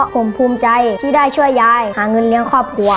ผมภูมิใจที่ได้ช่วยยายหาเงินเลี้ยงครอบครัว